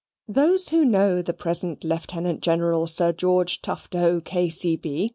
Those who know the present Lieutenant General Sir George Tufto, K.C.B.